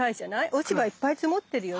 落ち葉いっぱい積もってるよね？